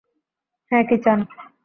হ্যাঁ, কী চান?